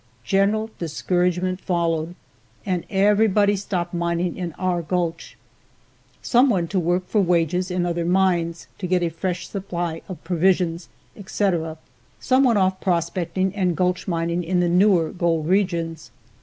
General discouragement followed, and everybody stopped mining in our gulch. Some went to work for wages in other mines, to get a fresh supply of provisions, etc. Some went off prospecting and gulch mining in the newer gold regions.